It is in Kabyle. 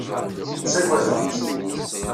Ttagadeɣ-tt.